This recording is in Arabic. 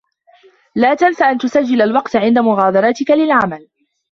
لا تنس أن تسجّل الوقت عند مغادرتك للعمل.